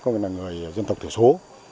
có nghĩa là người dân tộc thể số